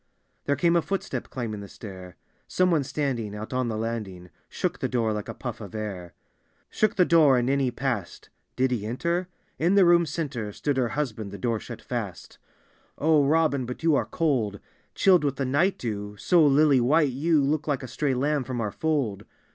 There came a footstep climbing the stair, Some one standing out on the landing Shook the door like a puff of air. — Shook the door and in he passed. Did he enter? In the room center Stood her husband; the door shut fast. "O Robin, but you are cold — Chilled with the night dew; so lily white you Look like a stray lamb from our fold.